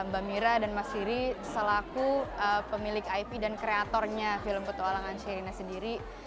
mbak mira dan mas siri selaku pemilik ip dan kreatornya film petualangan sherina sendiri